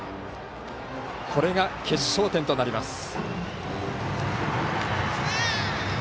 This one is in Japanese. これが、決勝点となります。